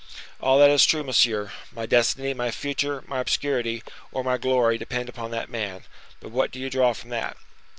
"All that is true, monsieur: my destiny, my future, my obscurity, or my glory depend upon that man; but what do you draw from that?"